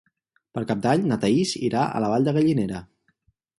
Per Cap d'Any na Thaís irà a la Vall de Gallinera.